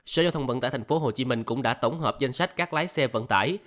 sở giao thông vận tải tp hcm cũng đã tổng hợp danh sách các lái xe vận tải